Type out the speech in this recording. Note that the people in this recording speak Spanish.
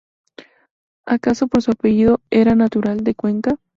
Acaso por su apellido, era natural de Cuenca.